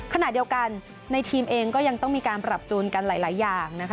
ขณะเดียวกันในทีมเองก็ยังต้องมีการปรับจูนกันหลายอย่างนะคะ